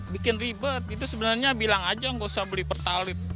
bikin ribet itu sebenarnya bilang aja nggak usah beli pertalit